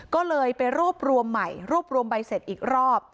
ก็เลยไปรวบรวมใหม่รวบรวมใบเสร็จอีกรอบ